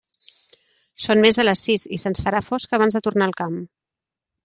Són més de les sis, i se'ns farà fosc abans de tornar al camp.